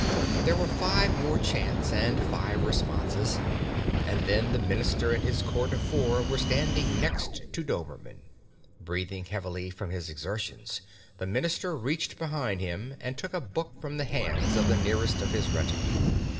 There were five more chants, and five responses, and then the minister and his court of four were standing next to Dobermann. Breathing heavily from his exertions, the minister reached behind him and took a book from the hands of the nearest of his retinue.